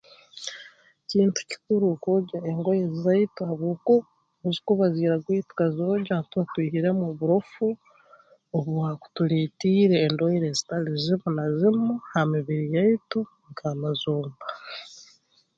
Kintu kikuru okwogya engoye zaitu habwokuba obuzikuba ziiragwire tukazoogya ntuba twihiremu oburofu obwakutuleetiire endwaire ezitali zimu na zimu ha mibiri yaitu nk'amazomba